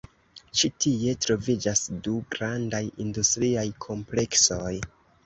Ĉi tie troviĝas du grandaj industriaj kompleksoj.